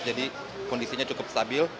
jadi kondisinya cukup stabil